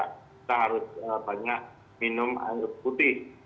kita harus banyak minum air putih